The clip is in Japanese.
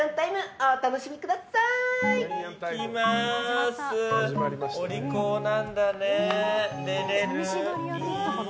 お利巧なんだね。